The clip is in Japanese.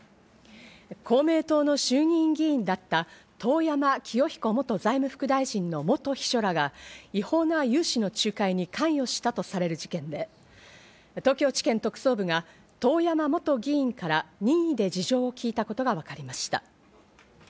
公明党の衆議院議員だった遠山清彦元財務副大臣の元秘書らが違法な融資の仲介に関与したとされる事件で、東京地検特捜部が遠山元議員から任意で事情を聞いたことがわかりました。